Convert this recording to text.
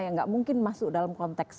yang gak mungkin masuk dalam konteks